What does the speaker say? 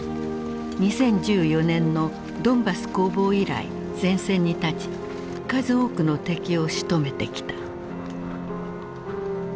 ２０１４年のドンバス攻防以来前線に立ち数多くの敵をしとめてきた。